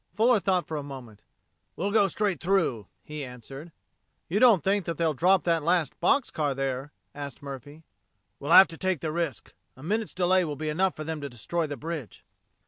Fuller thought for a moment. "We'll go straight through," he answered. "You don't think that they'll drop that last box car there?" asked Murphy. "We'll have to take the risk. A minute's delay will be enough for them to destroy the bridge."